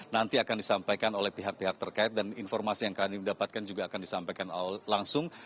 nanti akan disampaikan oleh pihak pihak terkait dan informasi yang kami dapatkan juga akan disampaikan langsung